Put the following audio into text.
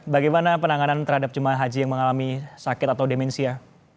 bagaimana penanganan terhadap jemaah haji yang mengalami sakit atau demensia